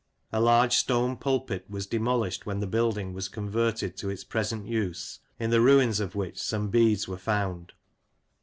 A large stone Pulpit was demolished when the Build ing was converted to its present use, in the ruins of which some Beads were found.